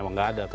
memang gak ada